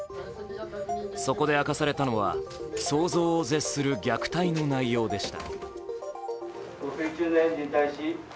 そこで明かされたのは想像を絶する虐待の内容でした。